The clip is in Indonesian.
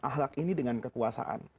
ahlak ini dengan kekuasaan